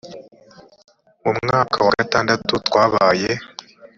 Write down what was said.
mu mwaka wa gatandatu twabaye